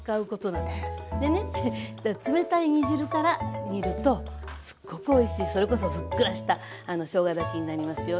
でね冷たい煮汁から煮るとすっごくおいしいそれこそふっくらしたしょうが炊きになりますよ。